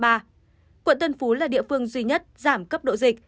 quận tân phú là địa phương duy nhất giảm cấp độ dịch